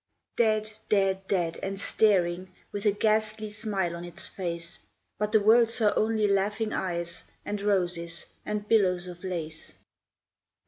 Dead, dead, dead, and staring, With a ghastly smile on its face; But the world saw only laughing eyes And roses, and billows of lace.